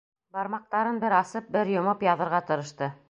Бармаҡтарын бер асып, бер йомоп яҙырға тырышты.